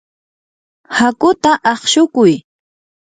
hakuta aqshukuy.